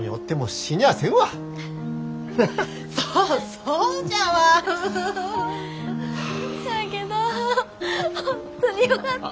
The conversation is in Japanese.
しゃあけど本当によかった。